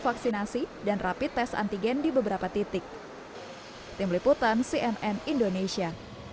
vaksinasi dan rapi tes antigen di beberapa titik tim liputan cnn indonesia